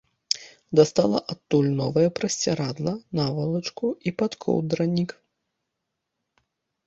Дастала адтуль новае прасцірадла, навалачку і падкоўдранік.